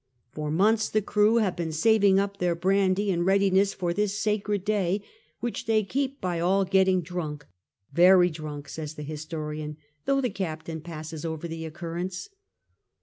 For months the crew have been saving up their brandy in readiness for this sacred day, which they keep by all getting dioink — very drunk, says the historian, though the captain passes over the occurrence.